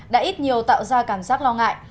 đã ít nhiều tạo ra cảm giác lo ngại